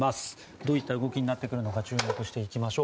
どういった動きになってくるのか注目していきましょう。